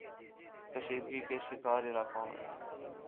کشیدگی کے شکار علاقوں میں